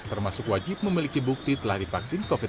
termasuk wajib memiliki bukti telah divaksin covid sembilan belas